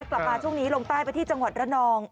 กลับมาช่วงนี้ลงใต้ไปที่จังหวัดระนอง